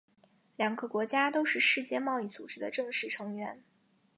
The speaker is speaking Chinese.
两个国家都是世界贸易组织的正式成员。